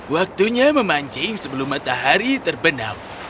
waktunya memancing sebelum matahari terbenam